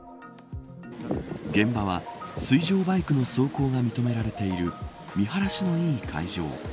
現場は、水上バイクの走行が認められている見晴らしのいい海上。